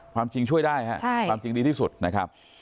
ความจริงช่วยได้ครับความจริงดีที่สุดนะครับ